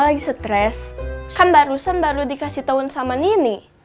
ma lagi setres kan barusan baru dikasih tau sama nini